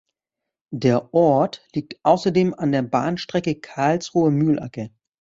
Der Ort liegt außerdem an der Bahnstrecke Karlsruhe–Mühlacker.